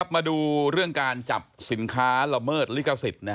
มาดูเรื่องการจับสินค้าละเมิดลิขสิทธิ์